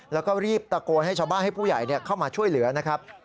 แล้วก็รีบตะโกนให้ชาวบ้านให้ผู้ใหญ่เข้ามาช่วยเหลือนะครับ